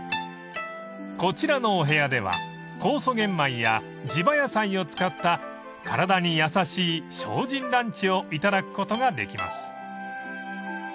［こちらのお部屋では酵素玄米や地場野菜を使った体に優しい精進ランチを頂くことができます］